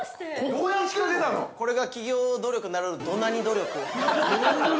◆これが企業努力ならぬ、土ナニ努力。